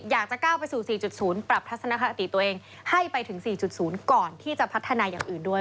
อยากจะก้าวไปสู่๔๐ปรับทัศนคติตัวเองให้ไปถึง๔๐ก่อนที่จะพัฒนาอย่างอื่นด้วย